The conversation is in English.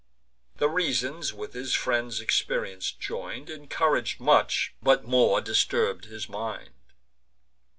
The reasons, with his friend's experience join'd, Encourag'd much, but more disturb'd his mind.